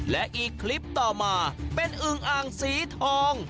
และอีกคลิปต่อมาเป็นอึงอ่างสีทอง